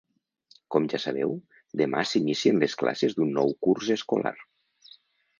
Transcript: Com ja sabeu, demà s’inicien les classes d’un nou curs escolar.